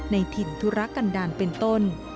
ในถิ่นธุรกันดาลเป็นต้น